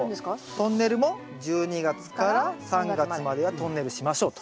トンネルも１２月から３月まではトンネルしましょうと。